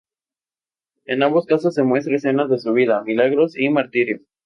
En ambos casos se muestran escenas de su vida, milagros y martirio.